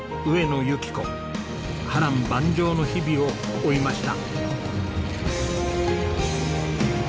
波乱万丈の日々を追いました。